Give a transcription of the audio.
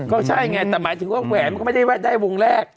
ก็ใช่ไงแต่หมายถึงว่าแหวนมันก็ไม่ได้ได้วงแรก